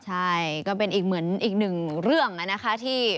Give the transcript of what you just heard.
ใช่ก็เป็นอีกเหมือนอีกหนึ่งเรื่องนะคะที่